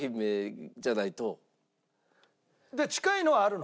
近いのはあるの？